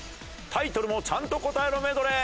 タイトルもちゃんと答えろメドレー。